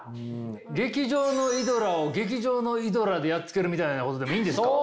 劇場のイドラを劇場のイドラでやっつけるみたいなことでもいいんですか？